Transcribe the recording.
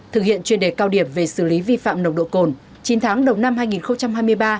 thực hiện chuyên đề cao điểm về xử lý vi phạm nồng độ cồn chín tháng đầu năm hai nghìn hai mươi ba